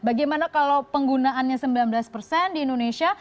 bagaimana kalau penggunaannya sembilan belas persen di indonesia